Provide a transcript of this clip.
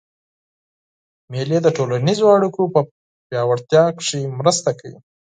مېلې د ټولنیزو اړیکو په پیاوړتیا کښي مرسته کوي.